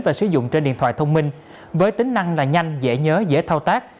và sử dụng trên điện thoại thông minh với tính năng là nhanh dễ nhớ dễ thao tác